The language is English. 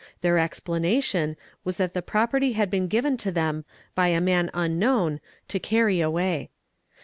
Their explanation was that the property had been given to them by a man unknown to carry away.